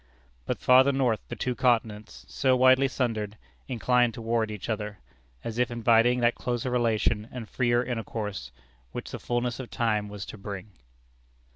But farther north the two continents, so widely sundered, incline toward each other, as if inviting that closer relation and freer intercourse which the fulness of time was to bring.